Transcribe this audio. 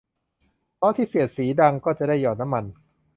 ล้อที่เสียดสีเสียงดังก็จะได้หยอดน้ำมัน